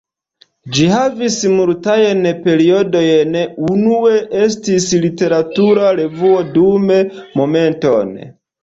Ĝi havis multajn periodojn, unue estis literatura revuo dum Momenton!